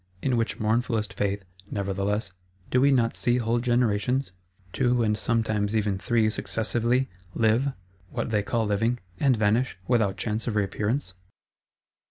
In which mournfulest faith, nevertheless, do we not see whole generations (two, and sometimes even three successively) live, what they call living; and vanish,—without chance of reappearance?